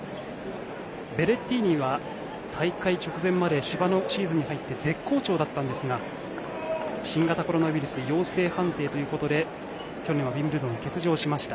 ベレッティーニは大会直前まで芝のシーズンに入って絶好調でしたが新型コロナウイルス陽性判定ということで去年はウィンブルドンを欠場しました。